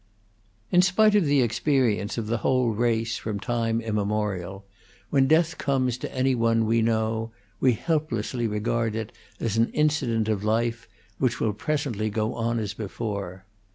In spite of the experience of the whole race from time immemorial, when death comes to any one we know we helplessly regard it as an incident of life, which will presently go on as before.